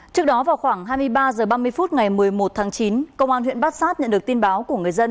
trước đó vào khoảng hai mươi ba h ba mươi phút ngày một mươi một tháng chín công an huyện bát sát nhận được tin báo của người dân